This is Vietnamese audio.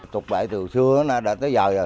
tục vệ từ xưa tới giờ